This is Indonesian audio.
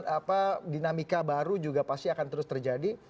dan dinamika baru juga pasti akan terus terjadi